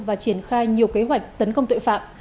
và triển khai nhiều kế hoạch tấn công tội phạm